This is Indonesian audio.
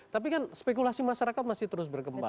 tapi kan spekulasi masyarakat masih terus berkembang